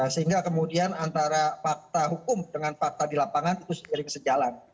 sehingga kemudian antara fakta hukum dengan fakta di lapangan itu seiring sejalan